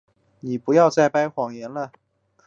你不要再掰谎言了。